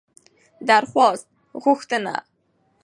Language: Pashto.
درخواست √غوښتنه